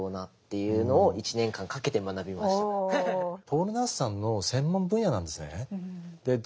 ポール・ナースさんの専門分野なんですね。